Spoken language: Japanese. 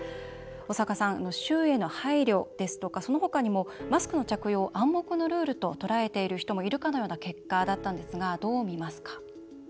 小坂さん、周囲への配慮ですとかその他にもマスクの着用を暗黙のルールと捉えている人もいるかのような結果だったんですがどう見ますか？